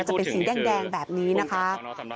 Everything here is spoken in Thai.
จะเป็นสีแดงแบบนี้นะคะ